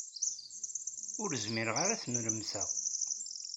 Ur zmireɣ ara ad ten-nermseɣ.